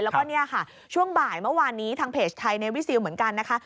แล้วก็เนี่ยค่ะช่วงบ่ายเมื่อวานนี้ทางเพจไทยในวิซิลเหมือนกันนะคะ